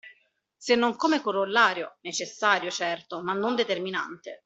Se non come corollario, necessario certo, ma non determinante.